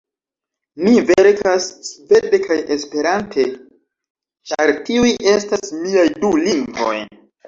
Mi verkas svede kaj Esperante, ĉar tiuj estas miaj du lingvoj.